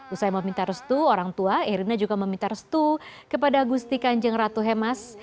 usai meminta restu orang tua irina juga meminta restu kepada gusti kanjeng ratu hemas